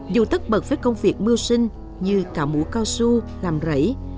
dù tất bật với công việc mưu sinh như cả mũ cao su làm rẫy